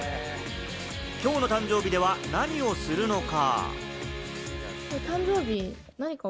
きょうの誕生日では何をするのか？